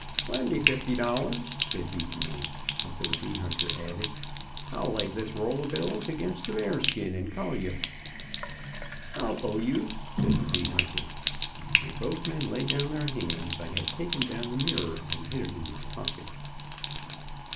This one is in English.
"Lend me fifty dollars," said he to me, and to the bee hunter added: "I'll lay this roll of bills against the bear skin, and call you." "I'll go ye," said the bee hunter. When both men lay down their hands, I had taken down the mirror and hid it in my pocket.